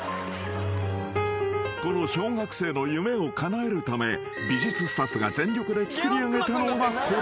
［この小学生の夢をかなえるため美術スタッフが全力で作りあげたのがこれ］